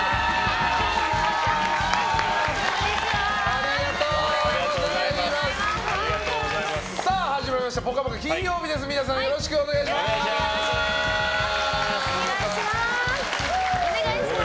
ありがとうございます。